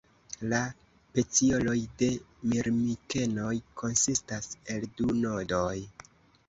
La pecioloj de Mirmikenoj konsistas el du nodoj.